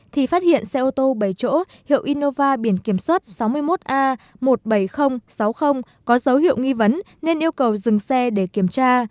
thì phát hiện xe ô tô bảy chỗ hiệu innova biển kiểm soát sáu mươi một a một mươi bảy nghìn sáu mươi có dấu hiệu nghi vấn nên yêu cầu dừng xe để kiểm tra